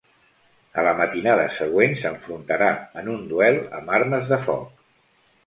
A la matinada següent s'enfrontarà en un duel amb armes de foc.